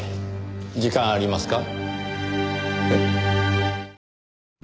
時間ありますか？